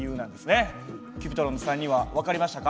Ｃｕｐｉｔｒｏｎの３人は分かりましたか？